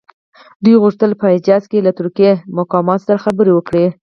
دوی غوښتل په حجاز کې له ترکي مقاماتو سره خبرې وکړي.